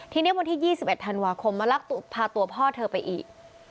ทีนี้วันที่๒๑ธันวาคมมาลักพาตัวพ่อเธอไปอีก